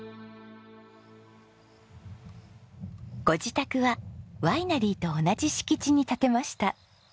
ご自宅はワイナリーと同じ敷地に建てました。